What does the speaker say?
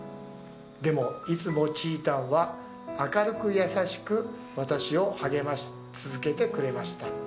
でも、いつもちーたんは明るく優しく私を励まし続けてくれました。